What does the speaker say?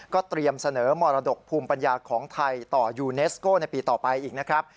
เตรียมเสนอมรดกภูมิปัญญาของไทยต่อยูเนสโก้ในปีต่อไปอีกนะครับ